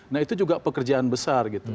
nah itu juga pekerjaan besar gitu